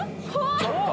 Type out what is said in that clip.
ちょっと！